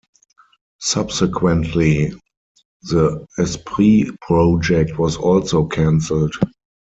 Subsequently, the Esprit project was also cancelled.